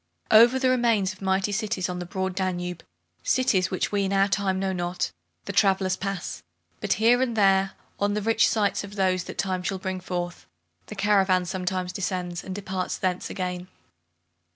Over the remains of mighty cities on the broad Danube, cities which we in our time know not, the travellers pass; but here and there, on the rich sites of those that time shall bring forth, the caravan sometimes descends, and departs thence again.